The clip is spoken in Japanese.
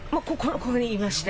ここにいました。